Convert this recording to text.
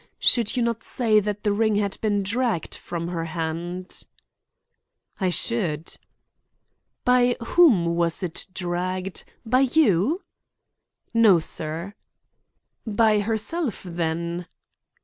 Should you not say that the ring had been dragged from her hand?" "I should." "By whom was it dragged? By you?" "No, sir." "By herself, then?"